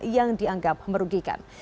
yang dianggap merugikan